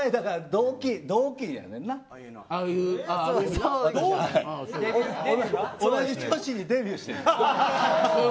同じ年にデビューして。